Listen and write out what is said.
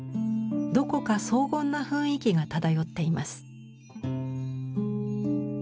どこか荘厳な雰囲気が漂っています。